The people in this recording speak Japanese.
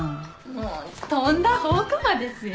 もうとんだ放火魔ですよ。